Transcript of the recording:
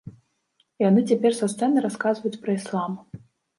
І яны цяпер са сцэны расказваюць пра іслам.